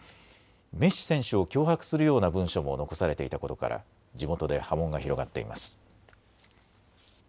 メッシ選手を脅迫するような文書も残されていたことから地元で波紋が広がっています。